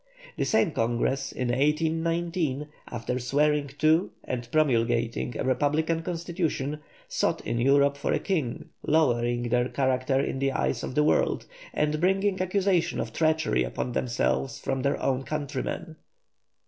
The same Congress, in 1819, after swearing to and promulgating a republican constitution, sought in Europe for a king, lowering their character in the eyes of the world, and bringing accusations of treachery upon themselves from their own countrymen.